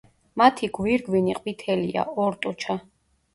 მათი გვირგვინი ყვითელია, ორტუჩა.